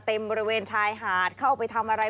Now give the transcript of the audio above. บริเวณชายหาดเข้าไปทำอะไร